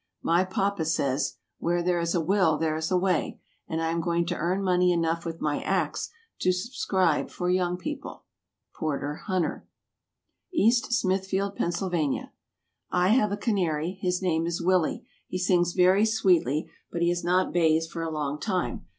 My papa says, "Where there is a will there is a way," and I am going to earn money enough with my axe to subscribe for Young People. PORTER HUNTER. EAST SMITHFIELD, PENNSYLVANIA. I have a canary. His name is Willie. He sings very sweetly, but he has not bathed for a long time.